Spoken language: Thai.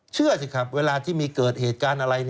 เชื่อสิครับเวลาที่มีเกิดเหตุการณ์อะไร